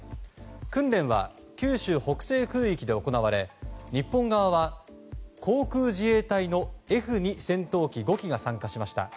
訓練は九州北西空域で行われ日本側は航空自衛隊のＦ２戦闘機５機が参加しました。